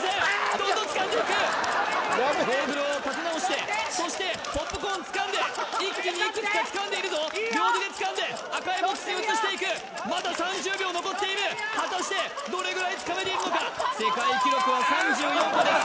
どんどんつかんでいくやべえゴーグルをかけ直してそしてポップコーンつかんで一気にいくつかつかんでいるぞ両手でつかんで赤いボックスに移していくまだ３０秒残っている果たしてどれぐらいつかめているのか世界記録は３４個です